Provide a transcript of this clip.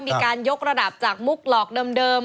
มีการยกระดับจากมุกหลอกเดิม